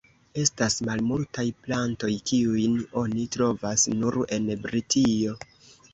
Estas malmultaj plantoj kiujn oni trovas nur en Britio.